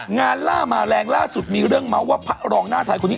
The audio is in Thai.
ล่ามาแรงล่าสุดมีเรื่องเมาส์ว่าพระรองหน้าไทยคนนี้